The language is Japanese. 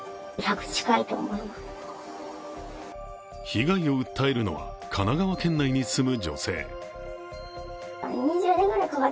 被害を訴えるのは神奈川県内に住む女性。